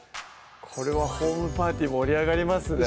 これはホームパーティー盛り上がりますね